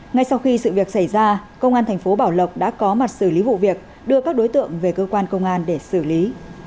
ngay sau khi sự việc xảy ra công an thành phố bảo lộc đã có mặt xử lý vụ việc đưa các đối tượng về cơ quan công an để xử lý